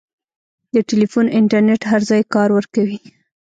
د ټیلیفون انټرنېټ هر ځای کار ورکوي.